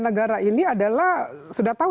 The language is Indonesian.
negara ini adalah sudah tahu